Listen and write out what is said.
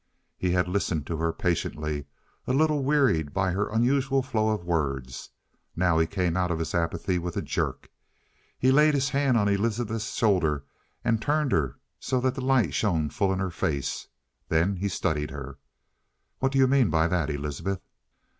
He had listened to her patiently, a little wearied by her unusual flow of words. Now he came out of his apathy with a jerk. He laid his hand on Elizabeth's shoulder and turned her so that the light shone full in her face. Then he studied her. "What do you mean by that, Elizabeth?"